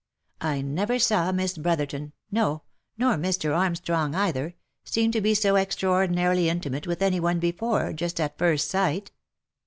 I never saw Miss Brotherton — no! nor Mr. Armstrong either — seem to be so extraordinarily intimate with any one before, just at first sight."